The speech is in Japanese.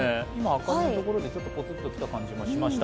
明るいところで、ちょっとぽつっと来た気がしました。